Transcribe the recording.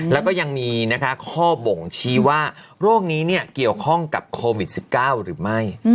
แล้วก็ยังมีข้อบ่งชี้ว่าโรคนี้เกี่ยวข้องกับโควิด๑๙หรือไม่